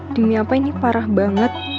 demi apa ini parah banget